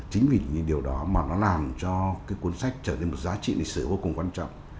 chính vì những điều đó mà nó làm cho cái cuốn sách trở nên một giá trị lịch sử vô cùng quan trọng